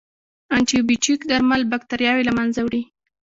انټيبیوټیک درمل باکتریاوې له منځه وړي.